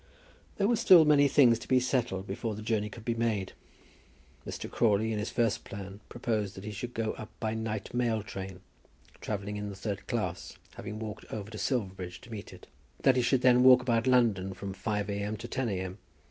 There were still many things to be settled before the journey could be made. Mr. Crawley, in his first plan, proposed that he should go up by night mail train, travelling in the third class, having walked over to Silverbridge to meet it; that he should then walk about London from 5 A.M. to 10 A.M.